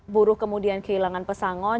buruh kemudian kehilangan pesangon